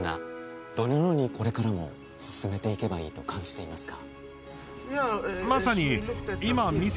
どのようにこれからも進めていけばいいと感じていますか？